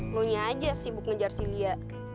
lo nyayah aja sibuk ngejar si lia